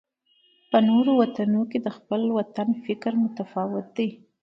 په نورو وطنونو کې د خپل وطن فکر متفاوت دی.